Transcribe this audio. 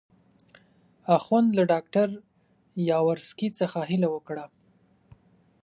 اخند له ډاکټر یاورسکي څخه هیله وکړه.